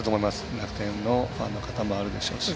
楽天のファンの方もあるでしょうし。